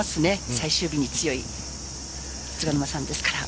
最終日に強い菅沼さんですから。